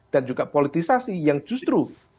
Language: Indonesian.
dan juga politisasi yang justru